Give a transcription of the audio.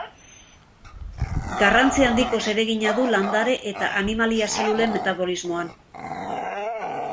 Garrantzi handiko zeregina du landare- eta animalia-zelulen metabolismoan.